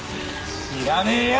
知らねえよ！